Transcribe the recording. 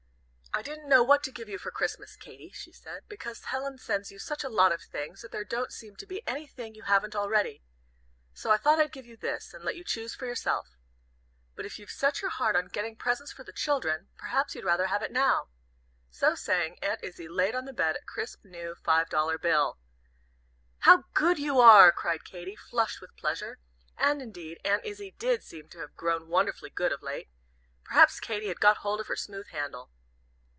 "I didn't know what to give you for Christmas, Katy," she said, "because Helen sends you such a lot of things that there don't seem to be anything you haven't already. So I thought I'd give you this, and let you choose for yourself. But if you've set your heart on getting presents for the children, perhaps you'd rather have it now." So saying, Aunt Izzie laid on the bed a crisp, new five dollar bill! "How good you are!" cried Katy, flushed with pleasure. And indeed Aunt Izzie did seem to have grown wonderfully good of late. Perhaps Katy had got hold of her smooth handle!